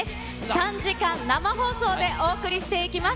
３時間生放送でお送りしていきます。